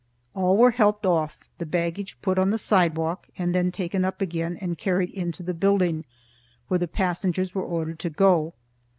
All were helped off, the baggage put on the sidewalk, and then taken up again and carried into the building, where the passengers were ordered to go.